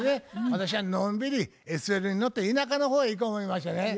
私はのんびりＳＬに乗って田舎の方へ行こ思いましてね。